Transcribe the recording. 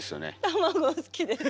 卵好きです。